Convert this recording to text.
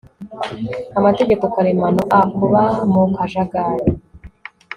amategeko karemano a kuba mu kajagari